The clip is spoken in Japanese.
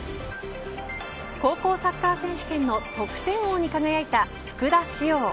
高校サッカー選手権の得点王に輝いた福田師王。